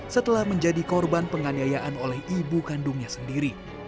setelah menjadi korban penganiayaan oleh ibu kandungnya sendiri